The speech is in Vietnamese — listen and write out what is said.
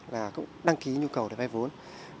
và cũng đăng ký nhu cầu để vay vốn